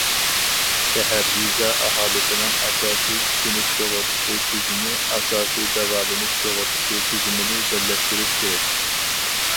شەھەر، يېزا ئاھالىسىنىڭ ئاساسىي كۈتۈنۈش سۇغۇرتىسى تۈزۈمى، ئاساسىي داۋالىنىش سۇغۇرتىسى تۈزۈمىنى بىرلەشتۈرۈش كېرەك.